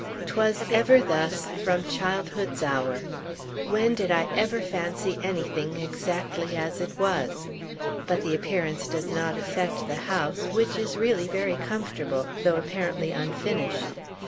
"'Twas ever thus from childhood's hour!" When did I ever fancy anything exactly as it was? But the appearance does not affect the house, which is really very comfortable, though apparently unfinished.